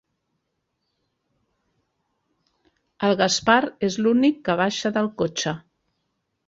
El Gaspar és l'únic que baixa del cotxe.